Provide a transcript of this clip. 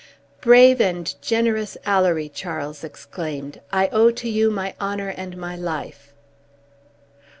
"Brave and generous Alory!" Charles exclaimed, "I owe to you my honor and my life!"